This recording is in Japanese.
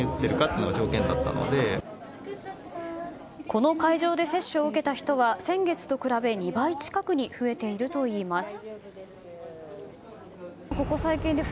この会場で接種を受けた人は先月と比べ２倍近くに増えているといいます。